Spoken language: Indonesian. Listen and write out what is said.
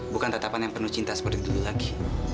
bukan tetapan yang penuh cinta seperti itu lagi